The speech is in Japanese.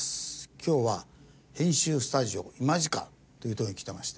今日は編集スタジオＩＭＡＧＩＣＡというところに来ていまして。